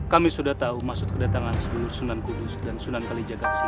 kami sudah tahu maksud kedatangan seluruh sunan kudus dan sunan kalijagat